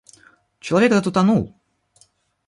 Человек этот утонул.